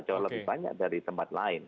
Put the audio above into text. jauh lebih banyak dari tempat lain